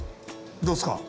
どうですか？